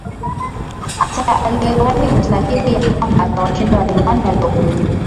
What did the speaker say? Aliyewahi kutabiri ya kwamba atawashinda Wajerumani waliokuja